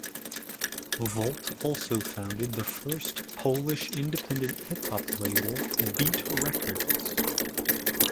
Volt also founded the first Polish independent hip hop label, Beat Records.